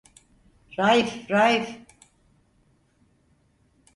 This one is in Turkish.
Raif, Raif.